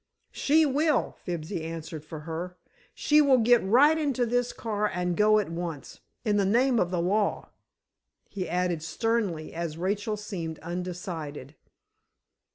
"She will," Fibsy answered for her. "She will get right into this car and go at once—in the name of the law!" he added sternly, as Rachel seemed undecided.